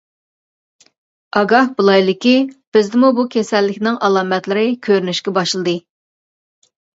ئاگاھ بولايلىكى، بىزدىمۇ بۇ كېسەللىكنىڭ ئالامەتلىرى كۆرۈنۈشكە باشلىدى.